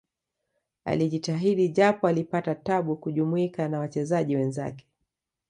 alijitahidi japo alipata tabu kujumuika na wachezaji wenzake